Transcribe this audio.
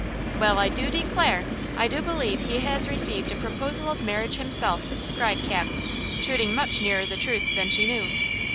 "Well, I do declare! I do believe he has received a proposal of marriage himself," cried Cap, shooting much nearer the truth than she knew.